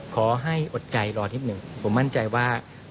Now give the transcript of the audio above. ขอให้อดใจรอนิดนึงผมมั่นใจว่า